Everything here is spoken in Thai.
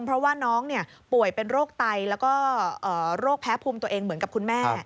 เพราะว่าน้องป่วยเป็นโรคไตแล้วก็โรคแพ้ภูมิตัวเองเหมือนกับคุณแม่